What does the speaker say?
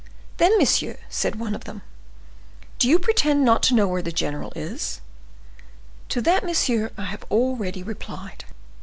"Then, monsieur," said one of them, "do you pretend not to know where the general is?" "To that, monsieur, I have already replied."